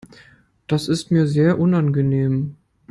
Das ist mir sehr unangenehm.